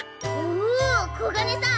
おこがねさん